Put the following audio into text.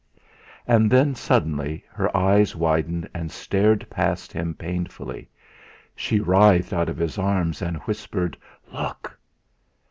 And then, suddenly, her eyes widened and stared past him painfully; she writhed out of his arms, and whispered: "Look!"